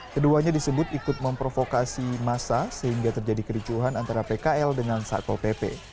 keduanya disebut ikut memprovokasi masa sehingga terjadi kericuhan antara pkl dengan satpol pp